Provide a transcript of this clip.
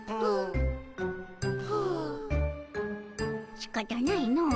しかたないのう。